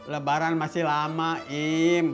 lebaran masih lama im